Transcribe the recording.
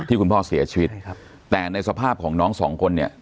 คุณพ่อเสียชีวิตใช่ครับแต่ในสภาพของน้องสองคนเนี่ย